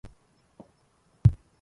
ليسوا مزارعين